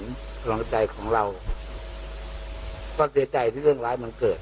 กำลังใจของเราก็เสียใจที่เรื่องร้ายมันเกิด